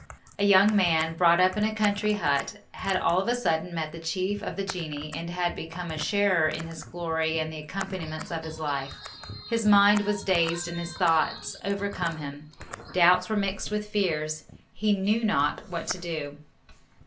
A young man, brought up in a country hut, had all of a sudden met the chief of the genii, and had become a sharer in his glory and the accompaniments of his life. His mind was dazed and his thoughts overcame him. Doubts were mixed with fears. He knew not what to do.